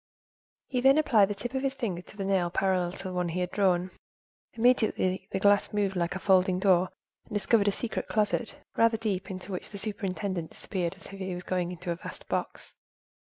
He then applied the tip of his finger to the nail parallel to the one he had drawn. Immediately the glass moved like a folding door and discovered a secret closet, rather deep, into which the superintendent disappeared as if going into a vast box.